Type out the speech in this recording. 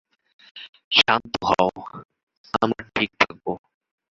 শান্ত হও, আমরা ঠিক থাকব।